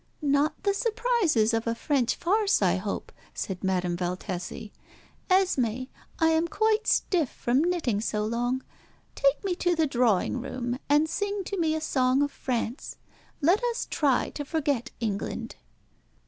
"Not the surprises of a French farce, I hope," said Madame Valtesi. "Esmé, I am quite stiff from knitting so long. Take me to the drawing room and sing to me a song of France. Let us try to forget England."